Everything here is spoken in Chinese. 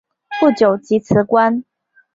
不久即辞官。